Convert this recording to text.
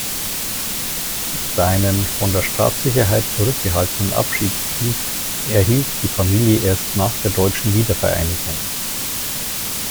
Seinen von der Staatssicherheit zurückgehaltenen Abschiedsbrief erhielt die Familie erst nach der deutschen Wiedervereinigung.